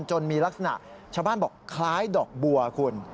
จนมีลักษณะชาวบ้านบอกคล้ายดอกบัวคุณ